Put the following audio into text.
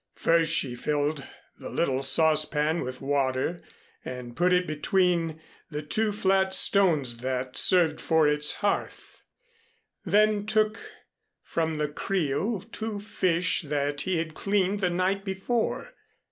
First she filled the little saucepan with water and put it between the two flat stones that served for its hearth, and then took from the creel two fish that he had cleaned the night before.